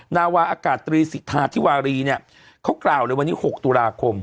นาวาอากาศตรีสิทธาธิวารีเนี่ยเขากล่าวเลยวันนี้๖ตุลาคม